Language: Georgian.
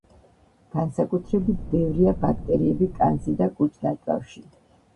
განსაკუთრებით ბევრია ბაქტერიები კანზე და კუჭ–ნაწლავში.